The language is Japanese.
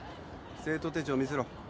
生徒手帳見せろ。